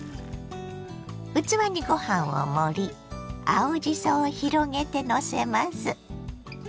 器にご飯を盛り青じそを広げてのせます。